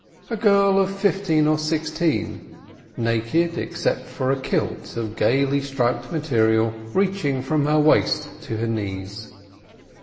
A girl of fifteen or sixteen, naked, except for a kilt of gaily striped material reaching from her waist to her knees.